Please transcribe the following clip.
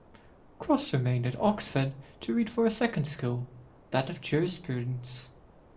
Cross remained at Oxford to read for a second school, that of Jurisprudence.